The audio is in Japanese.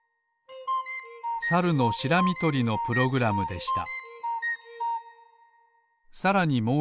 サルのシラミとりのプログラムでした。